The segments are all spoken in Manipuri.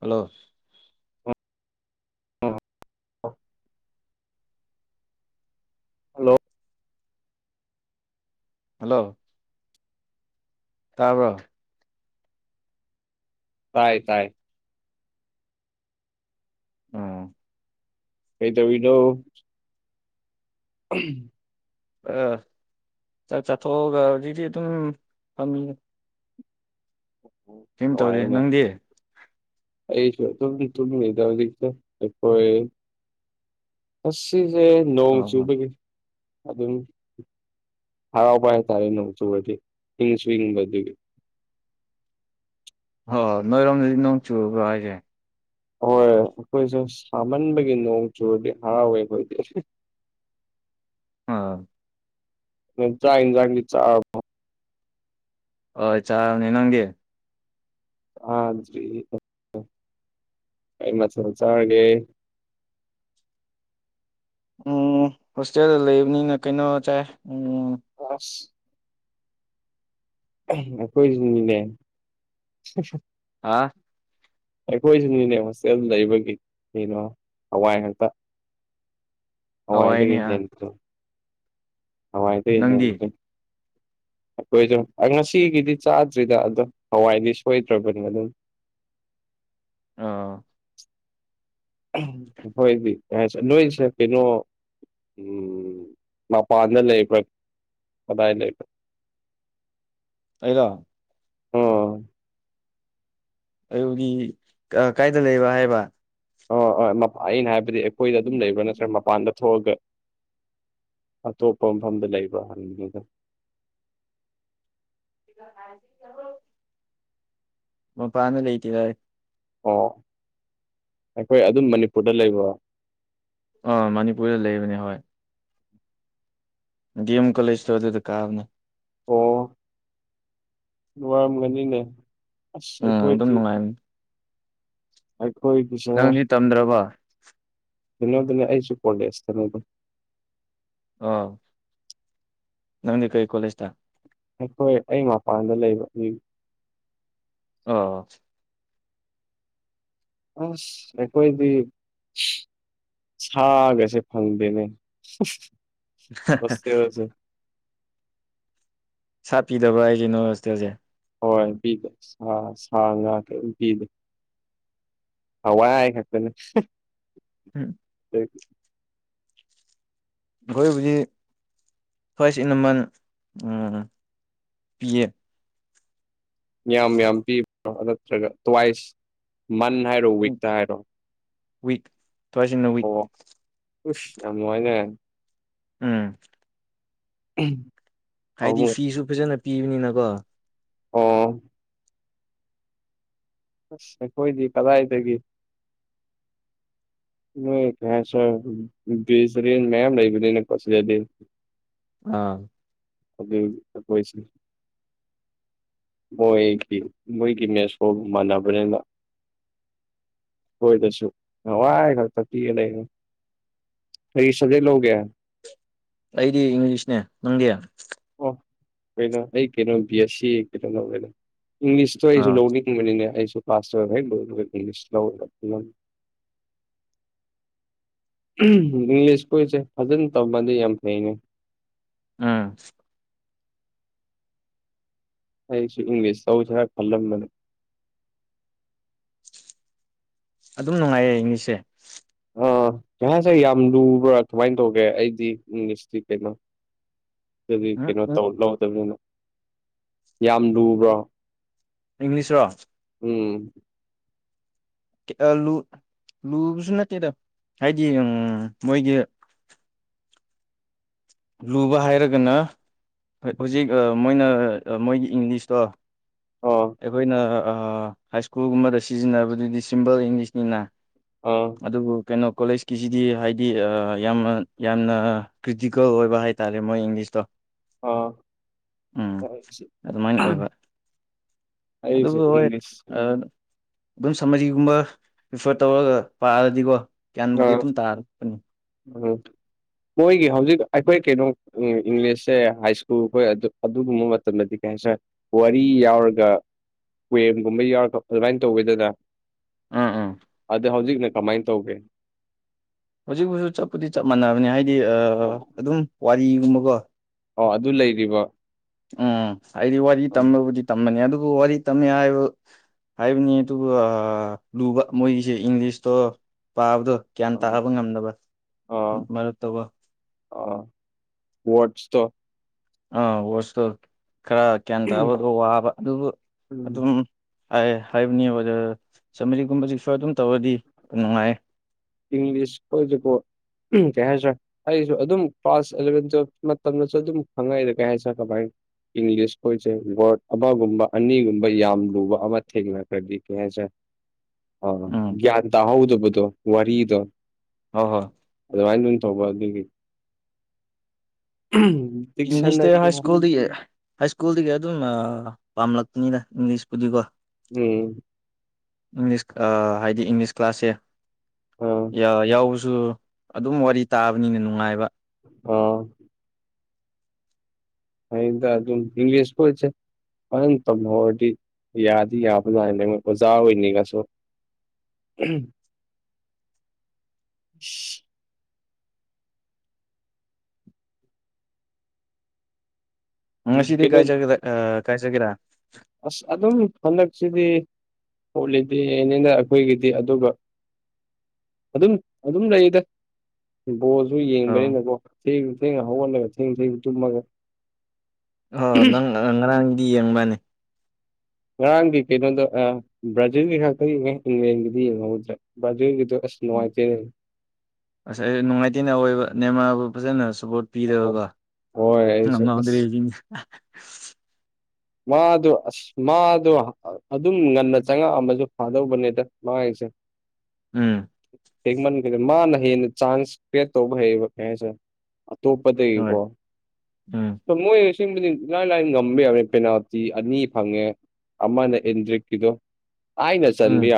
ꯍꯜꯂꯣ ꯍ ꯍꯜꯂꯣ ꯍꯜꯂꯣ ꯇꯥꯕ꯭ꯔꯣ ꯇꯥꯏ ꯇꯥꯏ ꯑꯣ ꯀꯩꯗꯧꯏꯅꯣ ꯎꯝ ꯑ ꯆꯥꯛ ꯆꯥꯊꯣꯛꯑꯒ ꯍꯧꯖꯤꯛꯇꯤ ꯑꯗꯨꯝ ꯐꯝꯃꯤ ꯀꯩꯝ ꯇꯧꯗꯦ ꯅꯨꯡꯉꯥꯏꯅꯦ ꯅꯪꯗꯤ ꯑꯩꯁꯨ ꯑꯗꯨꯝꯗꯤ ꯇꯨꯝꯃꯤꯗ ꯍꯧꯖꯤꯛꯇꯣ ꯑꯩꯈꯣꯏ ꯑꯁꯤꯖꯦ ꯅꯣꯡ ꯑ ꯆꯨꯕꯒꯤ ꯑꯗꯨꯝ ꯍꯔꯥꯎꯕ ꯍꯥꯏꯇꯥꯔꯦ ꯅꯣꯡ ꯆꯨꯨꯔꯗꯤ ꯏꯪꯁꯨ ꯏꯡꯕꯒꯤ꯫ ꯍꯣꯏ ꯅꯣꯏꯔꯣꯝꯗꯗꯤ ꯅꯣꯡ ꯆꯨꯕꯣ ꯍꯥꯏꯁꯦ꯫ ꯍꯣꯏ ꯑꯩꯈꯣꯏꯁꯨ ꯁꯥꯃꯟꯕꯒꯤ ꯅꯣꯡ ꯆꯨꯔꯗꯤ ꯍꯔꯥꯎꯋꯦ ꯑꯩꯈꯣꯏꯗꯤ꯫ ꯑꯣ꯫ ꯆꯥꯛ ꯏꯟꯁꯥꯡꯗꯤ ꯆꯔꯕꯔꯣ꯫ ꯍꯣꯏ ꯆꯥꯔꯅꯤ ꯅꯪꯗꯤ꯫ ꯆꯥꯗ꯭ꯔꯤ ꯀꯩ ꯃꯊꯦꯜ ꯆꯥꯔꯒꯦ꯫ ꯎꯝ ꯍꯣꯁꯇꯦꯜꯗ ꯂꯩꯕꯅꯤꯅ ꯀꯩꯅꯣ ꯆꯥꯏ ꯎꯝ꯫ ꯑꯁ꯫ ꯑꯩꯈꯣꯏꯁꯨꯅꯤꯅꯦ꯫ ꯍꯥꯥ꯫ ꯑꯩꯈꯣꯏꯁꯨꯅꯤꯅꯦ ꯍꯣꯁꯇꯦꯜ ꯂꯩꯕꯒꯤ ꯀꯩꯅꯣ ꯍꯋꯥꯏ ꯉꯥꯛꯇ꯫ ꯍꯋꯥꯏꯅꯦ ꯍꯋꯥꯏꯗꯒꯤ ꯑꯥ ꯍꯦꯟꯕꯗꯨ꯫ ꯍꯋꯥꯏꯗꯩ ꯅꯪꯗꯤ ꯍꯦꯟꯕꯗꯨ꯫ ꯑꯩꯈꯣꯏꯁꯨ ꯉꯁꯤꯒꯤꯗꯤ ꯆꯥꯗ꯭ꯔꯤꯗ ꯑꯗꯣ ꯍꯋꯥꯏꯗꯤ ꯁꯣꯏꯗ꯭ꯔꯕꯅꯤ ꯑꯗꯨꯝ꯫ ꯑꯥ꯫ ꯑꯩꯈꯣꯏꯗꯤ ꯀꯁꯦ ꯅꯣꯏꯁꯦ ꯀꯩꯅꯣ꯫ ꯎꯝ ꯃꯄꯥꯟꯗ ꯂꯩꯕ꯭ꯔꯥ ꯀꯗꯥꯏ ꯂꯩꯕ꯭ꯔ꯫ ꯑꯩꯔꯣ꯫ ꯑꯣꯝ꯫ ꯑꯩꯒꯤ ꯀꯥꯏꯗ ꯂꯩꯕ ꯍꯥꯏꯕ꯫ ꯑꯣ ꯑꯩꯅ ꯍꯥꯏꯕꯗꯤ ꯑꯩꯈꯣꯏꯗ ꯑꯗꯨꯝ ꯂꯩꯕ꯭ꯔꯥ ꯅꯠꯇ꯭ꯔ ꯃꯄꯥꯟꯗ ꯊꯣꯛꯑꯒ꯫ ꯑꯇꯣꯞꯄ ꯃꯐꯝꯗ ꯂꯩꯕ꯭ꯔ ꯍꯟꯒꯦ ꯇꯧ꯫ ꯏꯒ ꯀꯥꯏꯗꯤ ꯆꯒꯣ꯫ ꯃꯄꯥꯟꯗ ꯂꯩꯇꯦ ꯍꯥꯏ꯫ ꯑꯣ ꯑꯩꯈꯣꯏ ꯑꯗꯨꯝ ꯃꯅꯤꯄꯨꯔꯗ ꯂꯩꯕ꯫ ꯑ ꯃꯅꯤꯄꯨꯔꯔꯤꯗ ꯂꯩꯕꯅꯤ ꯍꯣꯏ꯫ ꯗꯦꯝ ꯀꯣꯂꯦꯖ ꯇ ꯑꯗꯨ ꯑꯗꯨ ꯀꯥꯕꯅꯦ꯫ ꯑꯣ꯫ ꯋꯥꯔꯝꯒꯅꯤꯅꯦ ꯑꯁ ꯎꯝ ꯑꯗꯨꯝ ꯑꯩꯈꯣꯏꯗꯤ꯫ ꯅꯨꯡꯉꯥꯏꯕꯅꯤ ꯑꯩꯈꯣꯏꯒꯤꯁꯦ ꯅꯪꯗꯤ ꯇꯝꯗ꯭ꯔꯕ ꯀꯩꯅꯣꯗꯅꯤ ꯑꯩꯁꯨ ꯀꯣꯂꯦꯖ ꯀꯩꯅꯣꯗꯅꯤ꯫ ꯑ꯫ ꯅꯪꯗꯤ ꯀꯩ ꯀꯣꯂꯦꯁꯇ꯫ ꯑꯩꯈꯣꯏ ꯑꯩ ꯃꯄꯥꯟꯗ ꯂꯩꯕ ꯑꯗꯨꯒꯤ꯫ ꯑꯣ꯫ ꯑꯁ ꯑꯩꯈꯣꯏꯗꯤ꯫ ꯁꯥꯒꯁꯦ ꯐꯪꯗꯦꯅꯦ꯫ ꯍꯥ ꯍꯥ꯫ ꯍꯣꯁꯇꯦꯜꯁꯦ ꯁꯥ ꯄꯤꯗꯕꯔ ꯍꯥꯏꯁꯦ ꯅꯣ ꯍꯣꯁꯇꯦꯜꯁꯦ꯫ ꯍꯣꯏ ꯄꯤꯗꯦ ꯁꯥ ꯁꯥ ꯉꯥꯛ ꯀꯔꯤꯝ ꯄꯤꯗꯦ꯫ ꯍꯋꯥꯏ ꯈꯛꯇꯅꯦ꯫ ꯎꯝ꯫ ꯊ [unintelligible] ꯑꯩꯈꯣꯏꯕꯨꯗꯤ ꯐꯔꯁ ꯏꯅꯃꯜ ꯄꯤꯌꯦ꯫ ꯌꯥꯝ ꯌꯥꯝ ꯄꯤꯕ꯭ꯔꯣ ꯅꯠꯇ꯭ꯔꯒ ꯇ꯭ꯋꯥꯏꯁ ꯃꯟ ꯍꯥꯏꯔꯣ ꯋꯤꯛꯇ ꯍꯥꯏꯔꯣ꯫ ꯋꯤꯛ ꯇꯨꯋꯁ ꯏꯟ ꯅ꯫ ꯑꯣ ꯎꯁ ꯌꯥꯝ ꯅꯨꯡꯉꯥꯏꯅꯦ꯫ ꯎꯝ꯫ ꯎꯝ꯫ ꯍꯥꯏꯗꯤ ꯐꯤꯁꯨ ꯐꯖꯅ ꯄꯤꯕꯅꯤꯅꯀꯣ꯫ ꯑꯣ ꯑꯁ ꯑꯩꯈꯣꯏꯗꯤ ꯀꯗꯥꯏꯗꯒꯤ ꯅꯣꯏ ꯀ ꯁ ꯤꯁꯔꯤꯟ ꯃꯌꯥꯝꯌꯥꯝ ꯂꯩꯕ ꯄꯁꯤꯂ ꯑꯥ ꯑꯗꯨꯏꯁꯤ ꯃꯣꯏꯒꯤ ꯃꯣꯏꯒꯤ ꯃꯦꯁꯣꯒ ꯃꯥꯟꯅꯕꯅꯤꯅ ꯀꯣꯏꯗꯁꯨꯋꯥ ꯀꯔꯤꯁꯗꯩ ꯂꯦ ꯑꯩꯗꯤ ꯏꯪꯂꯤꯁꯅꯦ ꯅꯪꯒ ꯑꯣ ꯀꯩꯅꯣ ꯑꯩ ꯀꯩꯅꯣ ꯕꯤ ꯑꯦꯁ ꯁꯤ ꯀꯩꯅꯣꯅ ꯏꯪꯂꯤꯁꯇꯣ ꯑꯩꯁꯨ ꯑꯥ ꯂꯧꯅꯤꯡ ꯑꯩꯁꯨ ꯐꯥꯁ ꯏꯂꯤ ꯂ ꯏꯪꯂꯤꯁ ꯀꯣꯏꯁꯦ ꯐꯖꯅ ꯇꯧꯃꯗꯤ ꯌꯥꯝ ꯐꯩꯅꯦ ꯎꯝ ꯑꯩꯁꯨ ꯏꯪꯂꯤꯁ ꯁꯧ ꯐꯜꯂꯝ ꯃꯅꯦ ꯑꯗꯨꯝ ꯅꯨꯡꯉꯥꯏꯌꯦ ꯏꯅꯤꯁꯦ ꯑꯥ ꯉꯥꯏꯍꯥꯛꯥꯁꯦ ꯌꯥꯝ ꯂꯨꯕ꯭ꯔꯥ ꯀꯃꯥꯏꯅ ꯇꯧꯒꯦ ꯑꯩꯗꯤ ꯏꯪꯂꯤꯁꯇꯤ ꯀꯩꯅꯣ ꯑꯗꯨꯗꯤ ꯎꯝ ꯀꯩꯅꯣ ꯎꯝ ꯂꯧꯗꯕꯅꯤꯅ ꯌꯥꯝ ꯂꯨꯕ꯭ꯔꯣ ꯏꯪꯂꯤꯁ꯭ꯔꯣ ꯎꯝ ꯂꯨꯕꯁꯨ ꯅꯠꯇꯦꯗ ꯍꯥꯏꯗꯤ ꯃꯣꯏꯒꯤ ꯂꯨꯕ ꯍꯥꯏꯔꯒꯅ ꯍꯣꯏ ꯍꯧꯖꯤꯛ ꯃꯣꯏꯅ ꯃꯣꯏꯒꯤ ꯏꯪꯂꯤꯁꯇꯣ ꯑꯣ ꯑꯩꯈꯣꯏꯅ ꯍꯥꯏ ꯁ꯭ꯀꯨꯜꯒꯨꯝꯕꯗ ꯁꯤꯖꯤꯟꯅꯕꯗꯨꯗꯤ ꯁꯤꯝꯄꯜ ꯏꯪꯂꯤꯁꯅꯤꯅ ꯑ ꯑꯗꯨꯕꯨ ꯀꯩꯅꯣ ꯀꯣꯂꯦꯖꯀꯤꯁꯤꯗꯤ ꯍꯥꯏꯗꯤ ꯌꯥꯝꯅ ꯌꯥꯝꯅ ꯀ꯭ꯔꯤꯇꯤ ꯒꯜ ꯑꯣꯏꯕ ꯍꯥꯏꯇꯥꯔꯦ ꯃꯣꯏ ꯏꯪꯂꯤꯁꯇꯣ ꯑ ꯎꯝ ꯍ ꯑꯗꯨ ꯍ ꯑ ꯑꯗꯨꯝ ꯁꯝꯃꯔꯤꯒꯨꯝꯕ ꯄꯔꯤꯐꯔ ꯇꯧꯔꯒ ꯄꯥꯔꯗꯤꯀꯣ ꯒ꯭ꯌꯥꯟꯕꯨꯗꯤ ꯑꯗꯨꯝ ꯇꯥꯔꯛꯄꯅꯤ ꯑꯣ ꯃꯣꯏꯒꯤ ꯍꯧꯖꯤꯛ ꯑꯩꯈꯣꯏ ꯀꯩꯅꯣ ꯏꯪꯂꯤꯁꯁꯦ ꯍꯥꯏ ꯁ꯭ꯀꯨꯜꯈꯣꯏ ꯑꯗꯨ ꯑꯗꯨꯒꯨꯝꯕ ꯃꯇꯝꯗꯗꯤ ꯀꯩ ꯍꯥꯏꯇꯥꯔ ꯋꯥꯔꯤ ꯌꯥꯎꯔꯒ ꯀꯋꯦꯝꯒꯨꯝꯕ ꯌꯥꯎꯔꯛ ꯑꯗꯨꯃꯥꯏꯅ ꯇꯧꯒꯦꯗꯅ ꯎꯝ ꯎꯝ ꯑꯗ ꯍꯧꯖꯤꯛꯅ ꯀꯃꯥꯏꯅ ꯇꯧꯒꯦ ꯍꯧꯖꯤꯛꯐꯥꯎꯁꯨ ꯆꯠꯄꯨꯗꯤ ꯆꯞ ꯃꯥꯟꯅꯕꯅꯤ ꯍꯥꯏꯗꯤ ꯑꯗꯨꯝ ꯋꯥꯔꯤꯒꯨꯝꯕꯀꯣ ꯑꯣ ꯑꯗꯨ ꯂꯩꯔꯤꯕ ꯎꯝ ꯍꯥꯏꯗꯤ ꯋꯥꯔꯤ ꯑꯥ ꯇꯝꯕꯕꯨꯗꯤ ꯇꯝꯕꯅꯤ ꯑꯗꯨꯕꯨ ꯋꯥꯔꯤ ꯇꯝꯃꯦ ꯍꯥꯏꯕ ꯍꯥꯏꯕꯅꯤ ꯑꯗꯨꯒ ꯂꯨꯕ ꯃꯣꯏꯒꯤꯁꯦ ꯏꯪꯂꯤꯁꯇꯣ ꯄꯥꯕꯗꯣ ꯒ꯭ꯌꯥꯟ ꯑꯥ ꯇꯥꯕ ꯉꯝꯅꯕ ꯃꯔꯛꯇꯕꯨ ꯑ ꯋꯥꯠꯁꯇꯣ ꯑꯥ ꯋꯥꯣꯁꯇꯣ ꯈꯔ ꯒ꯭ꯌꯥꯟ ꯇꯥꯕꯗꯣ ꯋꯥꯕ ꯑꯗꯨꯕꯨ ꯎꯝ ꯑꯗꯨꯝ ꯑ ꯍꯥꯏꯕꯅꯦ ꯑꯣꯗ ꯆꯥꯝꯃꯔꯤꯒꯨꯝꯕꯕꯁꯤ ꯁ ꯑꯗꯨꯝ ꯇꯧꯔꯗꯤ ꯅꯨꯡꯉꯥꯏꯌꯦ ꯏꯪꯂꯤꯁ ꯀꯈꯣꯏꯗꯨꯀꯣ ꯀ ꯍꯥꯏꯁꯨ ꯑꯩꯁꯨ ꯑꯗꯨꯝ ꯀ꯭ꯂꯥꯁ ꯑꯦꯂꯚꯦꯟ ꯇꯨꯋꯦꯜ ꯃꯇꯝꯗꯁꯨ ꯑꯗꯨꯝ ꯈꯪꯉꯛꯏꯗ ꯀꯩ ꯍꯥꯏꯁꯔ ꯀꯃꯥꯏꯅ ꯏꯪꯂꯤꯁ ꯑꯩꯈꯣꯏꯁꯦ ꯋꯥꯔꯗ ꯑꯃꯒꯨꯝꯕ ꯑꯅꯤꯒꯨꯝꯕ ꯌꯥꯝ ꯂꯨꯕ ꯑꯃ ꯊꯦꯡꯅꯈ꯭ꯔꯗꯤ ꯀꯩ ꯍꯥꯏꯁꯦ ꯑ ꯎꯝ ꯒ꯭ꯌꯥꯟ ꯇꯥꯍꯧꯗꯕꯗꯣ ꯋꯥꯔꯤꯗꯣ ꯍ ꯍꯣꯏ ꯑꯗꯨꯃꯥꯏꯅ ꯑꯗꯨꯝ ꯇꯧꯕ ꯑꯗꯨꯒꯤ ꯏꯪꯂꯤꯁ ꯗꯤꯛꯁꯟꯅꯔꯤ ꯍꯥꯏ ꯎꯝ ꯁ꯭ꯀꯨꯜꯗꯤ ꯍꯥꯏ ꯁ꯭ꯀꯨꯜꯗꯒꯤ ꯑꯗꯨꯝ ꯄꯥꯝꯂꯛꯄꯅꯤꯅ ꯏꯪꯂꯤꯁꯄꯨꯗꯤꯀꯣ ꯎꯝ ꯏꯪꯂꯤꯁ ꯑ ꯍꯥꯏꯗꯤ ꯏꯪꯂꯤꯁ ꯀ꯭ꯂꯥꯁꯁꯦ ꯎꯝ ꯌꯥꯎꯕꯁꯨ ꯑꯗꯨꯝ ꯋꯥꯔꯤ ꯇꯥꯕꯅꯤꯅ ꯅꯨꯡꯉꯥꯏꯕ ꯑꯣ ꯐꯩꯗ ꯑꯗꯨ ꯏꯪꯂꯤꯁ [unintelligible] ꯐꯖꯅ ꯇꯝꯍꯧꯔꯗꯤ ꯌꯥꯗꯤ ꯌꯥꯕꯖꯥꯠꯅꯤ ꯑꯣꯖꯥ ꯑꯣꯏꯅꯤꯉꯁꯨ [unintelligible] [inaudible] ꯉꯁꯤꯗꯤ ꯀꯩꯅꯣ ꯀꯥꯏ ꯆꯠꯀꯦꯔ ꯀꯥꯏ ꯆꯠꯀꯦꯔꯥ ꯑꯁ ꯑꯗꯨꯝ ꯍꯟꯗꯛꯁꯤꯗꯤ ꯎꯣꯠꯂꯤꯗꯤꯅꯤꯅ ꯑꯩꯈꯣꯏꯒꯤꯗꯤ ꯑꯗꯨꯒ ꯑꯗꯨꯝ ꯑꯗꯨꯝ ꯂꯩꯌꯦꯗ ꯕꯣꯜꯁꯨ ꯑ ꯌꯦꯡꯕꯅꯤꯅꯀꯣ ꯊꯦꯡ ꯊꯦꯡꯅ ꯍꯧꯒꯠꯂꯒ ꯊꯦꯡ ꯊꯦꯡ ꯇꯨꯝꯃꯒ ꯑꯣ ꯅꯪ ꯉꯔꯥꯡꯗꯤ ꯌꯦꯡꯕꯅꯤ ꯉꯔꯥꯡꯒꯤ ꯀꯩꯅꯣꯗꯣ ꯑ ꯕ꯭ꯔꯥꯖꯤꯜꯒꯤ ꯉꯥꯛꯇ ꯌꯦꯡꯉꯦ ꯏꯪꯂꯦꯟꯒꯤꯗꯤ ꯌꯦꯡꯍꯧꯗ꯭ꯔꯦ ꯕ꯭ꯔꯥꯖꯤꯜꯒꯤꯗꯣ ꯑꯁ ꯅꯨꯡꯉꯥꯏꯇ‌ꯦꯅꯦ ꯑꯁ ꯑꯩ ꯅꯨꯡꯉꯥꯏꯇꯦꯅꯦ ꯑꯑꯣꯏꯕ ꯅꯦꯃꯥꯕꯨ ꯐꯖꯅ ꯁ꯭ꯄꯣꯔꯠ ꯌꯦꯡꯍꯧꯗꯦ꯫ ꯍꯣꯏ ꯑꯩꯁꯨ ꯑꯁ [unintelligible] ꯃꯥꯗꫭ ꯑꯁ ꯃꯥꯗꯣ ꯑꯗꯨꯝ ꯉꯟꯅ ꯆꯪꯉꯛ ꯑꯝꯃꯖꯨ ꯐꯥꯗꯧꯕꯅꯤꯗ ꯃꯥꯖꯦ ꯎꯝ ꯊꯦꯡꯃꯟ ꯈ꯭ꯔꯦ ꯃꯥꯅ ꯍꯦꯟꯅ ꯆꯥꯟꯁ ꯀꯔ‌ꯦꯠ ꯇꯧꯕ ꯍꯩꯌꯦꯕ ꯀꯩ ꯍꯥꯏꯁꯦ ꯑ ꯍꯣꯏ ꯇꯣꯞꯄꯗꯩꯀꯣ ꯎꯝ ꯃꯣꯏ ꯁꯤ ꯂꯥꯏꯂꯥꯏ ꯉꯝꯕ ꯌꯥꯕꯅꯤ ꯄꯦꯅꯥꯜꯇꯤ ꯑꯅꯤ ꯐꯪꯉꯦ ꯑꯃꯅ ꯑꯦꯟꯗ꯭ꯔꯤꯛꯀꯤꯗꯣ ꯑꯩꯅ ꯎꯝ ꯆꯟꯕ ꯌꯥ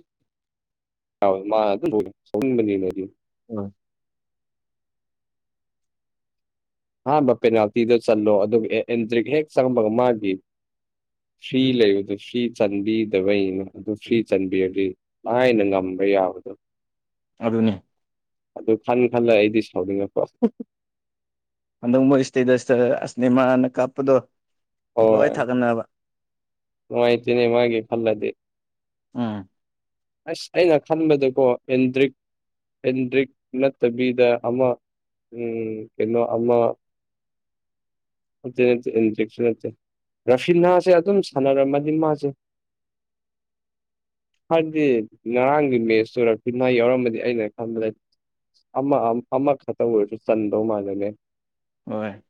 ꯌꯥ ꯃꯥ ꯑꯗꯨ ꯁꯧꯅꯤꯡꯕꯅꯤꯅꯦ ꯑꯩꯗꯤ [unintelligible] ꯑꯍꯥꯟꯕ ꯄꯦꯅꯥꯟꯇꯤ ꯗꫭ ꯆꯜꯂꯣ ꯑꯗꯨ ꯑꯦꯟꯗꯔꯤꯒ ꯍꯦꯛ ꯆꯪꯕꯒ ꯃꯥꯒꯤ ꯐ꯭ꯔꯤ ꯂꯩꯕꯗꯣ ꯐ꯭ꯔꯤ ꯆꯟꯕꯤꯗꯕꯩꯅ ꯑꯗꯨ ꯐ꯭ꯔꯤ ꯆꯟꯕꯤꯔꯗꯤ ꯂꯥꯏꯅ ꯉꯝꯕ ꯌꯥꯕꯗꯨ ꯑꯗꯨꯅꯦ ꯑꯗꯨ ꯈꯟ ꯈꯜꯂ ꯑꯩꯗꯤ ꯁꯥꯎꯅꯤꯡꯉꯛꯄ ꯍꯟꯗꯛ ꯃꯣꯏ ꯏꯁꯇꯦꯇꯁꯇ ꯑꯁ ꯅꯦꯃꯥꯔꯅ ꯀꯥꯞꯄꯗꯣ ꯂꯣꯏ ꯍꯣꯏ ꯊꯥꯒꯠꯅꯕ ꯅꯨꯡꯉꯥꯏꯇꯦꯅꯦ ꯃꯥꯒꯤ ꯈꯜꯂꯗꯤ ꯎꯝ ꯑꯁ ꯑꯩꯅ ꯈꯟꯕꯗꯀꯣ ꯑꯦꯟꯗ꯭ꯔꯤꯛ ꯑꯦꯟꯗ꯭ꯔꯤꯛ ꯅꯠꯇꯕꯤꯗ ꯑꯃ ꯎꯝ ꯀꯩꯅꯣ ꯑꯃ ꯅꯠꯇꯦ ꯅꯠꯇꯦ ꯏꯟꯗꯔꯤꯛꯁꯨ ꯅꯠꯇꯦ ꯔꯐꯤꯜ ꯅꯍꯥꯁꯦ ꯑꯗꯨꯝ ꯁꯥꯟꯅꯔꯝꯃꯗꯤ ꯃꯥꯁꯨ [inaudible] ꯍꯥꯏꯗꯤ ꯉꯔꯥꯡꯒꯤ ꯃꯦꯁꯇꯨ ꯔꯐꯤꯅ ꯌꯥꯎꯔꯝꯃꯗꯤ ꯑꯩꯅ ꯈꯟꯕꯗ ꯑꯃ ꯑꯃ ꯈꯛꯇꯪ ꯑꯣꯏꯔꯁꯨ ꯆꯟꯗꯧ ꯃꯥꯟꯂꯦꯅꯦ ꯍꯣꯏ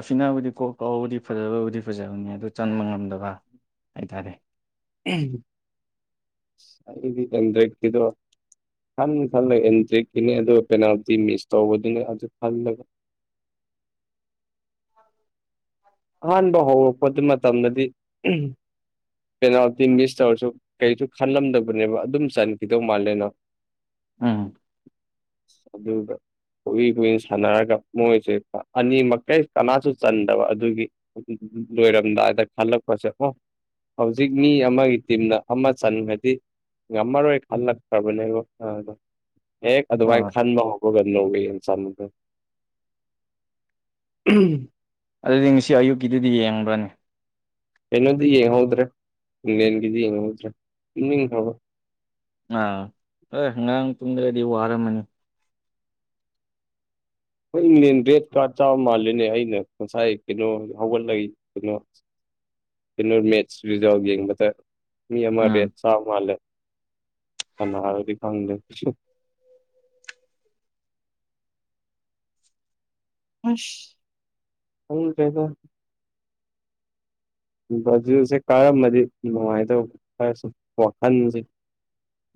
ꯑꯐꯤꯅꯥꯕꯨꯗꯤ ꯀꯣꯛ ꯐꯥꯎꯕꯨꯗꯤ ꯐꯖꯕꯕꯨꯗꯤ ꯐꯖꯕꯅꯤ ꯑꯗꯨ ꯆꯟꯕ ꯉꯝꯗꯕ ꯍꯥꯏꯇꯥꯔꯦ [unintelligible] ꯑꯩꯗꯤ ꯑꯦꯟꯗ꯭ꯔꯣꯠ ꯀꯤꯗꯣ ꯈꯟꯗꯤ ꯈꯜꯂ ꯑꯦꯟꯇ꯭ꯔꯤꯀꯤꯅꯤ ꯑꯗꯨꯒ ꯄꯦꯅꯥꯜꯇꯤ ꯃꯤꯁ ꯇꯧꯕꯗꯨꯅꯦ ꯑꯗꯨ ꯈꯜꯂꯒ ꯑꯍꯥꯟꯕ ꯍꯧꯔꯛꯄꯗꯨ ꯃꯇꯝꯗꯗꯤ [unintelligible] ꯄꯦꯅꯥꯜꯇꯤ ꯃꯤꯁ ꯇꯧꯔꯁꯨ ꯀꯩꯁꯨ ꯈꯜꯂꯝꯗꯕꯅꯦꯕ ꯑꯗꯨꯝ ꯆꯟꯈꯤꯗꯧ ꯃꯥꯜꯂꯦꯅ ꯎꯝ [inaudible] ꯑꯗꯨꯗ ꯀꯨꯏ ꯀꯨꯏꯅ ꯁꯥꯟꯅꯔꯒ ꯃꯣꯏꯁꯦ ꯑꯅꯤꯃꯛ ꯀꯅꯥꯁꯨ ꯆꯟꯗꯕ ꯑꯗꯨꯒꯤ ꯂꯣꯏꯔꯝꯗꯥꯏꯗ ꯈꯜꯂꯛꯄꯁꯦꯀꯣ ꯍꯧꯖꯤꯛ ꯃꯤ ꯑꯃꯒꯤ ꯇꯤꯝꯅ ꯑꯃ ꯆꯟꯈꯗꯤ ꯉꯝꯃꯔꯣꯏ ꯈꯜꯂꯛꯇ꯭ꯔꯕꯅꯦꯕ ꯑ ꯍꯦꯛ ꯑꯗꯨꯃꯥꯏꯅ ꯑꯣ ꯈꯟꯕ ꯒꯗ ꯅꯒ ꯏꯟꯁꯥꯟꯗ ꯑꯗꯨꯗꯤ ꯉꯁꯤ ꯑꯌꯨꯛꯀꯤꯗꯨꯗꯤ ꯌꯦꯡꯕ꯭ꯔꯅꯤ ꯀꯩꯅꯣꯗꯤ ꯌꯦꯡꯍꯧꯗ꯭ꯔꯦ ꯏꯪꯂꯦꯟꯒꯤꯗꯤ ꯌꯦꯡꯍꯧꯗ꯭ꯔꯦ ꯑꯥ ꯑꫭꯏ ꯉꯔꯥꯡ ꯇꯨꯡꯗ꯭ꯔꯗꯤ ꯋꯥꯔꯝꯃꯅꯤ ꯍꯣꯏ ꯏꯪꯂꯦꯟ ꯔꯦꯠ ꯀꯥꯔꯠ ꯆꯥꯕ ꯃꯥꯂꯦꯅꯦ ꯑꯩꯅ ꯉꯁꯥꯏ ꯀꯩꯅꯣ ꯍꯧꯒꯠꯂꯒ ꯀꯩꯅꯣ ꯀꯩꯅꯣ ꯃꯦꯠꯁ ꯔꯤꯖꯜ ꯌꯦꯡꯕꯗ ꯃꯤ ꯑꯃ ꯎꯝ ꯔꯦꯠ ꯆ ꯃꯥꯂꯦ ꯑꯅ ꯍꯥꯜꯗꯤ ꯐꯗꯦ ꯑꯁ ꯑ ꯀꯩꯗ ꯁꯦ ꯀꯔꯝꯝꯕꯗꯤ ꯅꯨꯡꯉꯥꯏꯗꯕ ꯈꯔꯁꯨ ꯋꯥꯍꯟꯁꯦ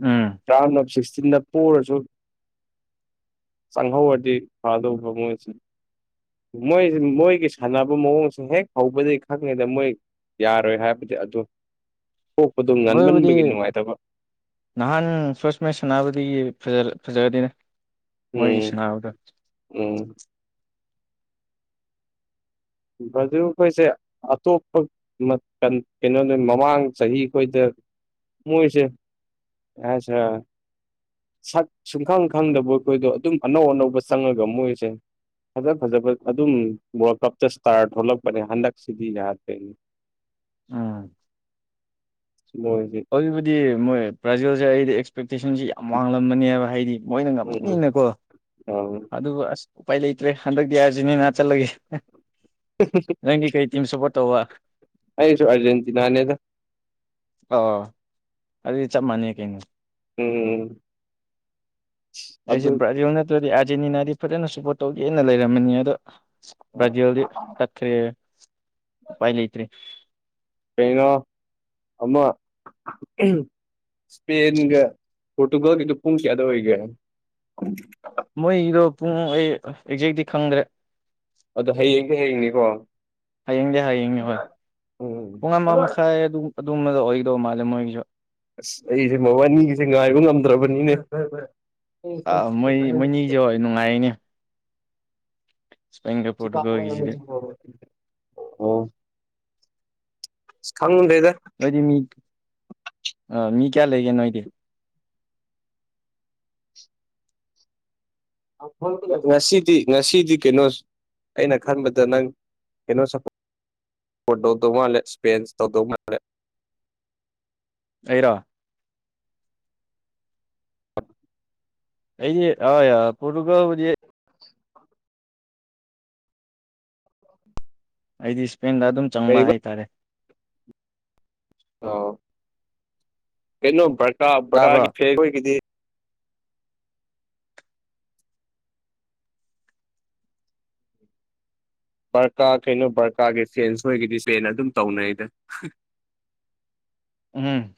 ꯎꯝ ꯔꯥꯎꯟ ꯑꯣꯐ ꯁꯤꯛꯁꯇꯤꯟꯗ ꯄꯨꯔꯁꯨ ꯆꯪꯍꯧꯔꯗꯤ ꯐꯗꯧꯕ ꯃꯣꯏꯁꯤꯦ ꯃꯣꯏꯁꯤ ꯃꯣꯏꯒꯤ ꯁꯥꯟꯅꯕ ꯃꯑꯣꯡꯁꯦ ꯍꯦꯛ ꯍꯧꯕꯗꯒꯤꯩ ꯈꯪꯉꯦꯗ ꯃꯣꯏ ꯌꯥꯔꯣꯏ ꯍꯥꯏꯕꯗꯤ ꯑꯗꯨ ꯄꯣꯛꯄꯗꯨ ꯃꯣꯏꯕꯨꯗꯤ ꯉꯟꯃꯟꯕꯒꯤ ꯅꯨꯡꯉꯥꯏꯇꯕ ꯅꯍꯥꯟ ꯐꯥꯔꯁ ꯃꯦꯁ ꯁꯥꯟꯅꯕꯗꯒꯤ ꯐꯖꯒꯗꯤꯅꯦ ꯎꯝ ꯎꯝ ꯃꯗꯨ ꯑꯩꯈꯣꯏꯁꯦ ꯑꯇꯣꯞꯄ ꯀꯩꯅꯣꯅꯤ ꯃꯃꯥꯡ ꯆꯍꯤ ꯈꯣꯏꯗ ꯃꯣꯏꯁꯦ ꯑꯆꯥ ꯁꯛ ꯁꯨꯡꯈꯪ ꯈꯪꯗꯕ ꯑꯩꯈꯣꯏꯗꯣ ꯑꯗꯨꯝ ꯑꯅꯧ ꯑꯅꯧꯕ ꯆꯪꯉꯒ ꯃꯣꯏꯁꯦ ꯐꯖ ꯐꯖꯕ ꯑꯗꯨꯝ ꯋꯥꯔꯜ ꯀꯞꯇ ꯏꯁꯇꯥꯔ ꯊꯣꯛꯂꯛꯄꯅꯦ ꯍꯟꯗꯛꯁꯤꯗꯤ ꯌꯥꯗꯣꯏꯅꯤ ꯎꯝ ꯃꯣꯏꯁꯤ ꯑꯗꯨꯕꯨꯗꯤ ꯃꯣꯏ ꯄ꯭ꯔꯥꯏꯖꯦꯜꯁꯦ ꯑꯩꯗꯤ ꯑꯦꯛꯁꯄꯦꯛꯇꯦꯁꯟꯁꯤ ꯌꯥꯝ ꯋꯥꯡꯡꯂꯕꯅꯦꯕ ꯍꯥꯏꯗꯤ ꯃꯣꯏꯅ ꯎꯝ ꯉꯝꯃꯅꯤꯅꯀꯣ ꯑ ꯑꯗꯨ ꯑꯁ ꯎꯄꯥꯏ ꯂꯩꯇ꯭ꯔꯦ ꯍꯟꯗꯛꯇꯤ ꯑꯥꯔꯖꯤꯅꯦꯅꯥ ꯆꯠꯂꯒꯦ ꯅꯪꯒꯤ ꯀꯩ ꯇꯤꯝ ꯁꯄꯣ ꯇ ꯑꯩꯁꯨ ꯑꯥꯔꯖꯦꯟꯇꯤꯅꯥꯅꯦꯗ ꯑ ꯑꯗꯨꯗꯤ ꯆꯞ ꯃꯥꯟꯅꯩ ꯀꯩꯅꯣ ꯎꯝ ꯑꯩꯁꯦ ꯑꯗꯨ ꯕ꯭ꯔꯥꯖꯤꯜ ꯅꯠꯇ꯭ꯔꯗꯤ ꯑꯥꯔꯖꯦꯟꯇꯤꯅꯥꯗꯤ ꯐꯖꯅ ꯁꯨꯄꯣꯔꯠ ꯇꯧꯒꯦꯅ ꯂꯩꯔꯝꯃꯅꯤ ꯑꯗꯣ ꯑꯥ ꯭ꯔꯖꯜꯗꯤ ꯇꯈꯔꯤ ꯄꯥꯏ ꯂꯩꯇꯔꯤ ꯀꯩꯅꯣ ꯑꯃ ꯏꯁꯄꯦꯟꯒ ꯄꯣꯔꯇꯨꯒꯥꯜꯒꯤꯗꯣ ꯄꯨꯡ ꯀꯌꯥꯗ ꯑꯣꯏꯒꯦ ꯃꯣꯏꯒꯤꯗꯣ ꯄꯨꯡ ꯑꯩ ꯑꯦꯛꯖꯦꯛꯇꯤ ꯈꯪꯗ꯭ꯔꯦ ꯑꯗꯣ ꯍꯌꯦꯡꯁ ꯍꯌꯦꯡꯅꯤꯀꯣ ꯍꯌꯦꯡꯗꯤ ꯍꯌꯦꯡꯅꯦ ꯍꯣꯏ ꯎꯝ ꯄꯨꯡ ꯑꯃ ꯃꯈꯥꯏ ꯑꯗꯨꯝ ꯑꯗꯨꯝꯕꯗ ꯑꯣꯏꯗꯧꯕ ꯃꯥꯜꯂꯦ ꯃꯣꯏꯒꯤꯁꯨ ꯑꯁ ꯑꯩꯁꯦ ꯃꯕꯥꯅꯤꯒꯤꯁꯦ ꯉꯥꯏꯕ ꯉꯝꯗ꯭ꯔꯕꯅꯤꯅꯦ ꯑꯥ ꯃꯣꯏ ꯃꯣꯏꯅꯤꯁꯨ ꯍ ꯅꯨꯡꯉꯥꯏꯅꯦ ꯏꯁꯄꯦꯟꯒ ꯆꯤꯄꯥꯥꯀ ꯑꯣꯏ ꯄꯣꯔꯇꯨꯒꯜꯒꯤꯁꯤꯗꯤ ꯍ ꯑꯣ ꯈꯉꯗ ꯏꯗ ꯅꯣꯏꯗꯤ ꯃꯤ ꯃꯤ ꯀꯌꯥ ꯂꯩꯒꯦ ꯅꯣꯏꯗꯤ ꯉꯁꯤꯗꯤ ꯉꯁꯤꯗꯤ ꯀꯩꯅꯣ ꯑꯩꯅ ꯈꯟꯕꯗ ꯅꯪ ꯀꯩꯅꯣ ꯁꯄ ꯐꯣ ꯇꯧꯗꯧ ꯃꯥꯜꯂꯦ ꯏꯁꯄꯦꯟꯁ ꯇꯧꯗꯧ ꯃꯥꯜꯂꯦ ꯑꯩꯔꯥ ꯑꯩ ꯑ ꯄꯣꯇꯨꯒ ꯑꯩꯗꯤ ꯏꯁꯄꯦꯟꯗ ꯑꯗꯨꯝ ꯆꯪꯕ ꯀꯔꯤꯕ ꯍꯥꯏꯇꯥꯔꯦ ꯂꯣ ꯀꯩꯅꯣ ꯕꯔꯀꯥ ꯇꯥꯕ꯭ꯔꯣ ꯕꯔꯥꯒꯤ ꯐꯒꯤꯗꯤ ꯕꯔꯀꯥ ꯀꯩꯅꯣ ꯕꯔꯀꯥꯒꯤ ꯐꯦꯟꯁꯣꯏꯒꯤꯗꯤ ꯐꯦꯅ ꯑꯗꯨꯝ ꯇꯧꯅꯩꯗ ꯎꯝ